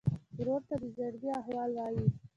ورور ته د زړګي احوال وایې.